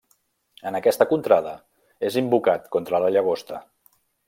En aquesta contrada és invocat contra la llagosta.